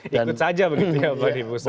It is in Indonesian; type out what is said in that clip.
ikut saja begitu ya pak di pusat